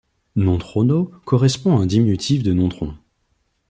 Nontronneau correspond à un diminutif de Nontron.